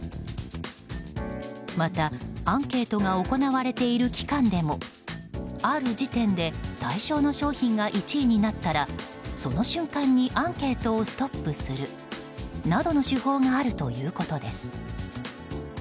また、アンケートが行われている期間でもある時点で対象の商品が１位になったらその瞬間にアンケートをストップするなどの手法があるということです。